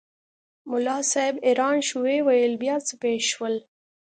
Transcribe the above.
ملا صاحب حیران شو وویل بیا څه پېښ شول؟